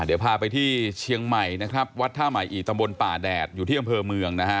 เดี๋ยวพาไปที่เชียงใหม่นะครับวัดท่าใหม่อีตำบลป่าแดดอยู่ที่อำเภอเมืองนะฮะ